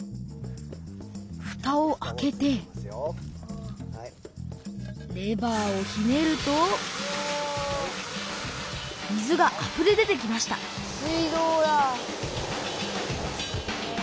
ふたを開けてレバーをひねると水があふれ出てきました水道だ。